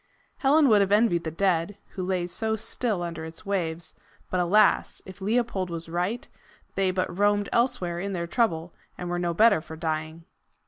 Helen would have envied the dead, who lay so still under its waves; but, alas! if Leopold was right, they but roamed elsewhere in their trouble, and were no better for dying.